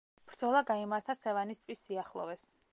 ბრძოლა გაიმართა სევანის ტბის სიახლოვეს.